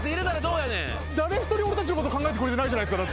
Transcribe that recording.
誰一人俺たちのこと考えてくれてないじゃないですか。